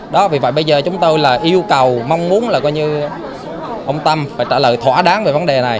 đó vì vậy bây giờ chúng tôi là yêu cầu mong muốn là coi như ông tâm phải trả lời thỏa đáng về vấn đề này